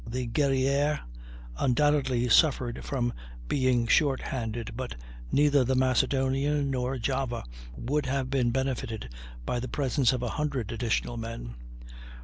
The Guerrière undoubtedly suffered from being short handed, but neither the Macedonian nor Java would have been benefited by the presence of a hundred additional men.